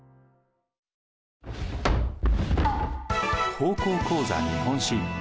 「高校講座日本史」。